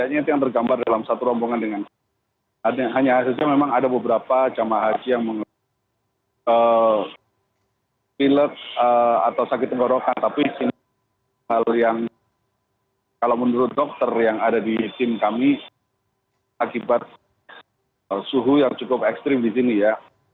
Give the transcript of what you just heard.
ya ranah haji asal indonesia